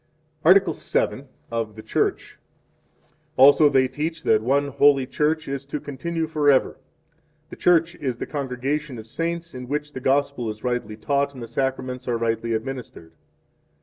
Article VII. Of the Church. 1 Also they teach that one holy Church is to continue forever. The Church is the congregation of saints, in which the Gospel is rightly taught and the Sacraments are rightly administered.